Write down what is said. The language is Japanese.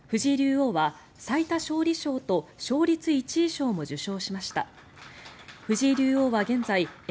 藤井竜王は最多勝利相と勝率一位賞も受賞しました。